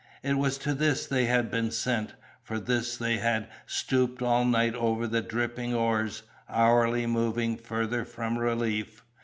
It was to this they had been sent, for this they had stooped all night over the dripping oars, hourly moving further from relief.